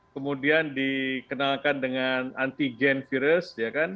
kemudian dikenalkan dengan antigen virus